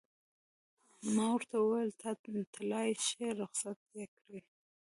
ما ورته وویل: ته تلای شې، رخصت یې ورکړ.